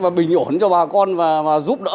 và bình ổn cho bà con và giúp đỡ